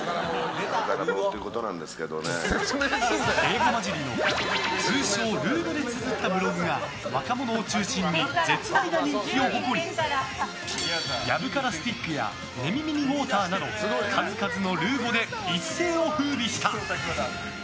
英語交じりの通称ルー語でつづったブログが若者を中心に絶大な人気を誇り藪からスティックや寝耳にウォーターなど数々のルー語で一世を風靡した！